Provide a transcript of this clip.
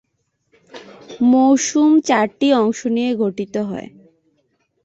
মৌসুম চারটি অংশ নিয়ে গঠিত।